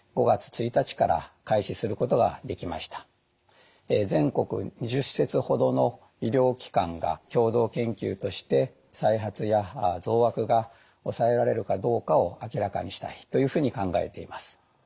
この結果によって全国２０施設ほどの医療機関が共同研究として再発や増悪が抑えられるかどうかを明らかにしたいというふうに考えています。